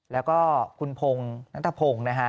แล้วก็คุณพงนัตตะพงนะฮะ